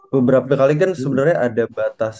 beberapa kali kan sebenarnya ada batas